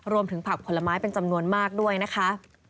ผักผลไม้เป็นจำนวนมากด้วยนะคะ